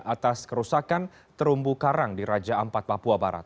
atas kerusakan terumbu karang di raja ampat papua barat